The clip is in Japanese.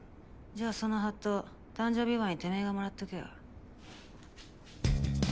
じゃあそのハット誕生日祝にてめぇがもらっとけよ。